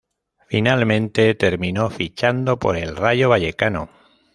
Finalmente terminó fichando por el Rayo Vallecano.